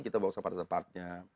kita bawa sepatu sepatunya